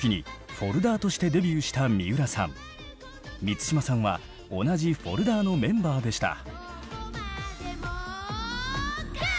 満島さんは同じ「Ｆｏｌｄｅｒ」のメンバーでした。